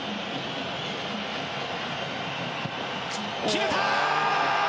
決めた！